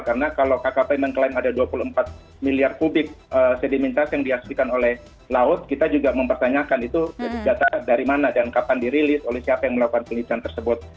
karena kalau kkp mengklaim ada dua puluh empat miliar kubik sedimentas yang diaksikan oleh laut kita juga mempertanyakan itu dari mana dan kapan dirilis oleh siapa yang melakukan penelitian tersebut